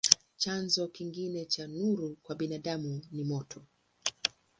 Chanzo kingine cha nuru kwa binadamu ni moto.